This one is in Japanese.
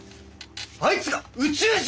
あいつが宇宙人！？